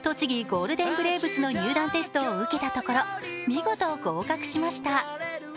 ゴールデンブレーブスの入団テストを受けたところ見事合格しました。